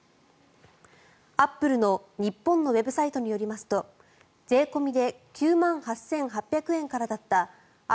アップルの日本のウェブサイトによりますと税込みで９万８８００円からだったｉＰｈｏｎｅ